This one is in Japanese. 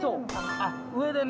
あっ上でね。